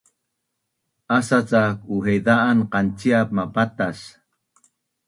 Asa cak uhevan qanciap mapatas